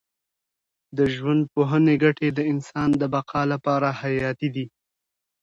د ژوندپوهنې ګټې د انسان د بقا لپاره حیاتي دي.